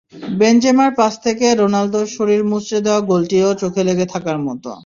বেনজেমার পাস থেকে রোনালদোর শরীর মুচড়ে দেওয়া গোলটিও চোখে লেগে থাকার মতো।